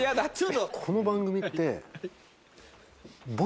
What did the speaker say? この番組って。